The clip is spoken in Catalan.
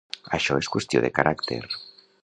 Això és qüestió de caràcter.